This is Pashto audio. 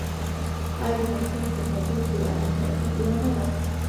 آیا د پښتنو په کلتور کې وعده خلافي ګناه نه ده؟